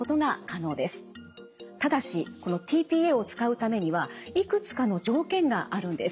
ただしこのｔ−ＰＡを使うためにはいくつかの条件があるんです。